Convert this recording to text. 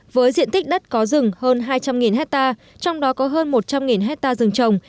với diện tích đất có rừng hơn hai trăm linh hectare trong đó có hơn một trăm linh hectare rừng trồng